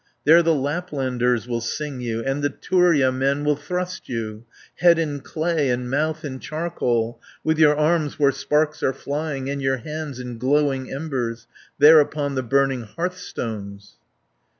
There the Laplanders will sing you, And the Turja men will thrust you, Head in clay, and mouth in charcoal, With your arms where sparks are flying, 140 And your hands in glowing embers, There upon the burning hearthstones."